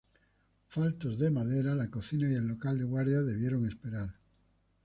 Faltos de madera, la cocina y el local de guardia debieron esperar.